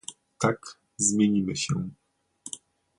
"Tak, zmienimy się"